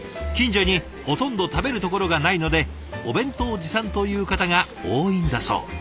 近所にほとんど食べるところがないのでお弁当持参という方が多いんだそう。